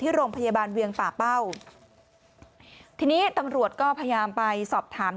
โรงพยาบาลเวียงป่าเป้าทีนี้ตำรวจก็พยายามไปสอบถาม